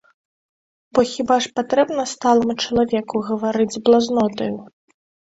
Бо хіба ж патрэбна сталаму чалавеку гаварыць з блазнотаю?!